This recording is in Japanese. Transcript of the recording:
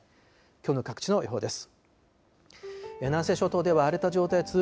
きょうの各地の予報です。